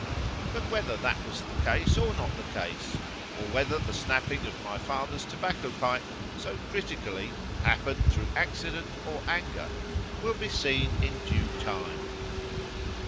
But whether that was the case or not the case;—or whether the snapping of my father's tobacco pipe, so critically, happened through accident or anger, will be seen in due time.